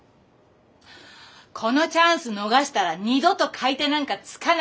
このチャンス逃したら二度と買い手なんかつかないよ！